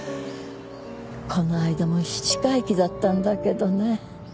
この間も七回忌だったんだけどね。